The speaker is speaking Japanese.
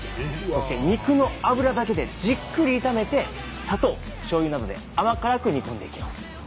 そして肉の脂だけでじっくり炒めて砂糖しょうゆなどで甘辛く煮込んでいきます。